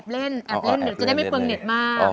สนุนโดยอีซูซู